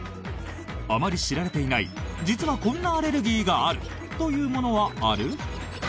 あまり知られていない実はこんなアレルギーがある！というものはある？